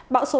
bão số năm